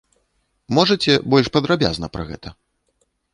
Можаце больш падрабязна пра гэта?